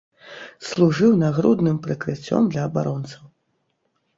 Служыў нагрудным прыкрыццём для абаронцаў.